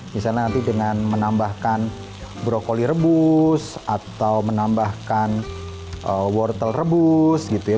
misalnya nanti dengan menambahkan brokoli rebus atau menambahkan wortel rebus gitu ya